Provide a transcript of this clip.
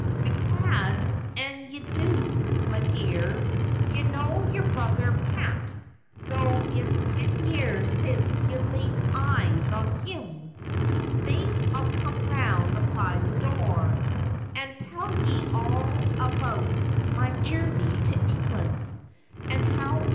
'Bedad an' ye do, me dear, ye know your brother Pat, though it's ten years since ye've laid eyes on him. Faith, I'll come round by the doer, and tell ye all about me journey to England, and how u^3 J mi as I Am.